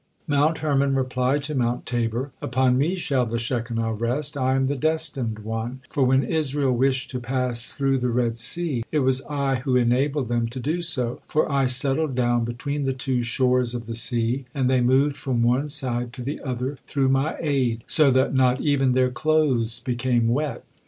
Mount Hermon replied to Mount Tabor: "Upon me shall the Shekinah rest, I am the destined one, for when Israel wished to pass through the Red Sea, it was I who enabled them to do so, for I settled down between the two shores of the sea, and they moved from one side to the other, through my aid, so that not even their clothes became wet."